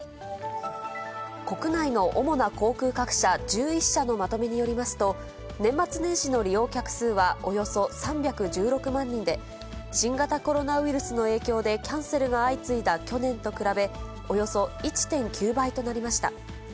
国内の主な航空各社１１社のまとめによりますと、年末年始の利用客数はおよそ３１６万人で、新型コロナウイルスの影響でキャンセルが相次いだ去年と比べ、およそ１．９倍となりました。